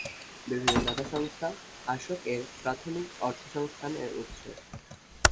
বিভিন্ন দাতাসংস্থা আসক-এর প্রাথমিক অর্থসংস্থান-এর উৎস।